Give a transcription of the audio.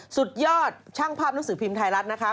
สุดยอดช่างภาพหนังสือพิมพ์ไทยรัฐนะคะ